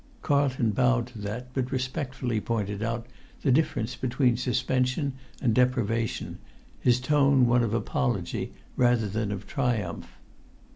Carlton bowed to that, but respectfully pointed out the difference between suspension and deprivation, his tone one of apology rather than of triumph.